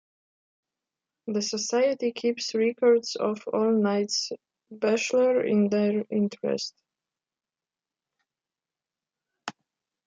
The Society keeps records of all Knights Bachelor, in their interest.